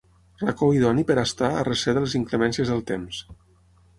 Racó idoni per a estar a recer de les inclemències del temps.